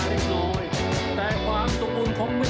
ก็เลยปรับพฤติกรรมของตัวเองมา